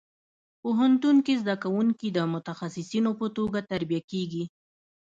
پوهنتون کې زده کوونکي د متخصصینو په توګه تربیه کېږي.